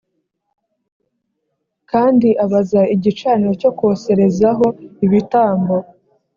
kandi abaza igicaniro cyo koserezaho ibitambo